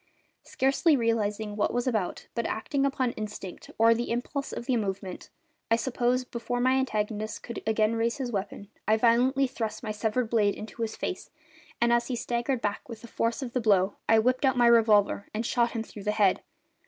Scarcely realising what I was about, but acting upon instinct or the impulse of the moment, I suppose, before my antagonist could again raise his weapon I violently thrust my severed blade into his face, and as he staggered back with the force of the blow I whipped out my revolver and shot him through the head.